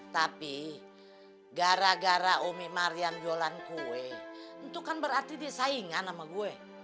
tapi gara gara omik mariam jualan kue itu kan berarti dia saingan sama gue